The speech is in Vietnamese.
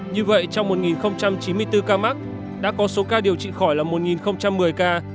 như vậy trong một chín mươi bốn ca mắc đã có số ca điều trị khỏi là một một mươi ca